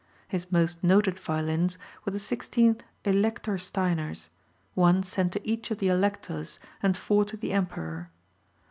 His most noted violins were the sixteen "Elector Steiners," one sent to each of the Electors and four to the Emperor.